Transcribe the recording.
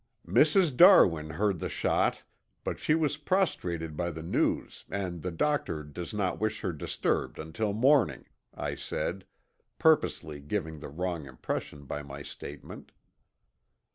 "Mrs. Darwin heard the shot but she was prostrated by the news and the doctor does not wish her disturbed until morning," I said, purposely giving the wrong impression by my statement.